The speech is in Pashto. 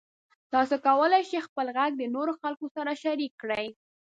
تاسو کولی شئ خپل غږ د نورو خلکو سره شریک کړئ.